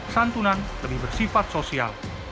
santunan lebih bersifat sosial